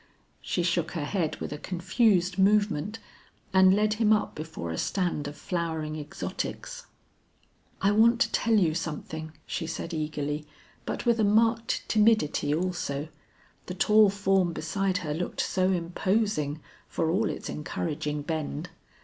She shook her head with a confused movement, and led him up before a stand of flowering exotics. "I want to tell you something," she said eagerly but with a marked timidity also, the tall form beside her looked so imposing for all its encouraging bend.